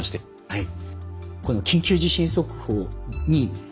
はい。